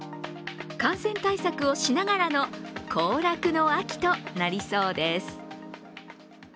感染対策をしながらの行楽の秋となりそうです。